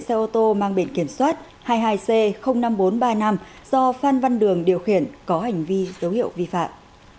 xe ô tô mang biển kiểm soát hai mươi hai c năm nghìn bốn trăm ba mươi năm do phan văn đường điều khiển có hành vi dấu hiệu vi phạm